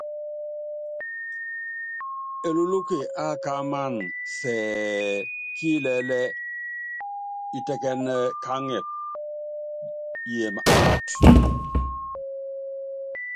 Elúklúke ákaáman sɛɛ ki ilɛɛ́ lɛ ilɛkɛ́n ká aŋɛp yeem átáát.